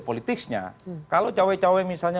politisnya kalau cawe cawe misalnya